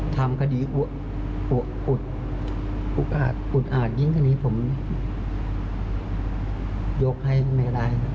ทำก็ดีอุดอาจยิ่งทีนี้ผมยกให้ไม่ได้